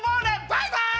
バイバイ！